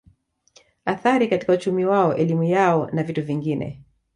Athari katika uchumi wao elimu yao na vitu vingine